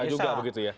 enggak juga begitu ya